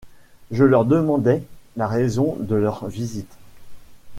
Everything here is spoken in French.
Je leur demandai la raison de leur visite.